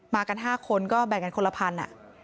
มากัน๕คนก็แบ่งกันคนละ๑๐๐๐บาท